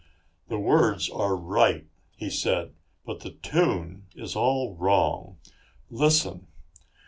"The words are right," he said, "but the tune is all wrong. Listen!"